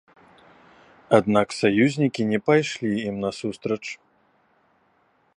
Аднак саюзнікі не пайшлі ім насустрач.